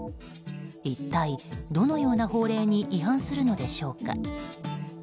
一体どのような法令に違反するのでしょうか。